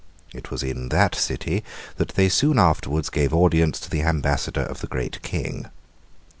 It was in that city that they soon afterwards gave audience to the ambassador of the Great King.